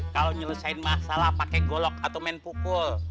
kalo nyelesain masalah pake golok atau main pukul